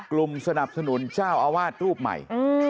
กลุ่มสนับสนุนเจ้าอาวาสรูปใหม่